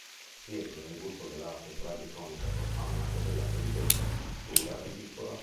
Rientra nel gusto dell'arte "tragi-comica profana" o nella cosiddetta "pittura ridicola".